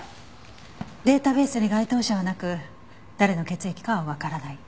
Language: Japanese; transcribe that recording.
データベースに該当者はなく誰の血液かはわからない。